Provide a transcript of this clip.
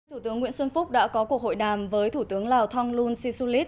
thủ tướng nguyễn xuân phúc đã có cuộc hội đàm với thủ tướng lào thonglun sisulit